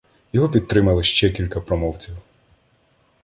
Його підтримали ще кілька промовців.